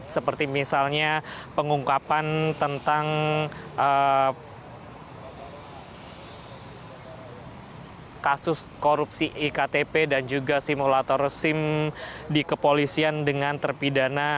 seperti misalnya pengungkapan tentang kasus korupsi iktp dan juga simulator sim di kepolisian dengan terpidana